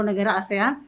sepuluh negara asean